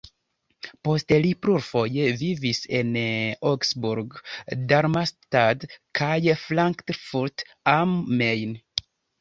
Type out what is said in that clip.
Poste li plurfoje vivis en Augsburg, Darmstadt kaj Frankfurt am Main.